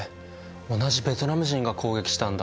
同じベトナム人が攻撃したんだ。